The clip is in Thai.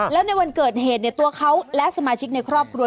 แล้วในวันเกิดเหตุตัวเขาและสมาชิกในครอบครัว